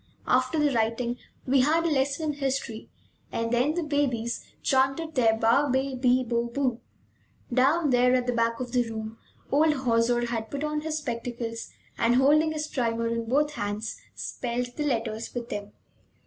After the writing, we had a lesson in history, and then the babies chanted their ba, be, bi, bo, bu. Down there at the back of the room old Hauser had put on his spectacles and, holding his primer in both hands, spelled the letters with them.